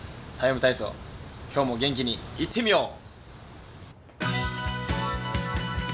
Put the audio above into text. ＴＩＭＥ，体操」、今日も元気にいってみよう！